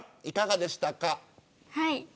いかがでしたか。